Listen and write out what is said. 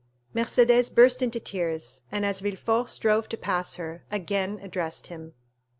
Mercédès burst into tears, and, as Villefort strove to pass her, again addressed him.